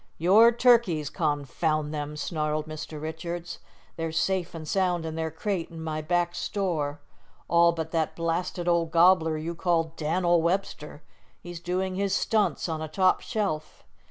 "Your turkeys, confound them!" snarled Mr. Richards. "They're safe and sound in their crate in my back store, all but that blasted old gobbler you call Dan'l Webster. He's doing his stunts on a top shelf.